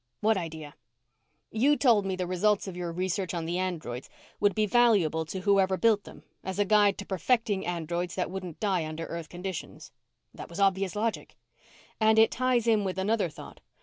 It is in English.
"What idea?" "You told me the results of your research on the androids would be valuable to whoever built them as a guide to perfecting androids that wouldn't die under earth conditions." "That was obvious logic." "And it ties in with another thought.